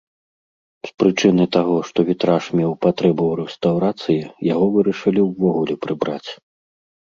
З прычыны таго, што вітраж меў патрэбу ў рэстаўрацыі, яго вырашылі ўвогуле прыбраць.